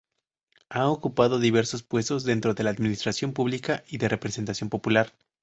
Ha ocupado diversos puestos dentro de la administración pública y de representación popular.